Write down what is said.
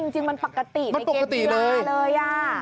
จริงมันปกติในเกมฟุตบอลเลย